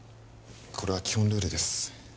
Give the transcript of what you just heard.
これは基本ルールです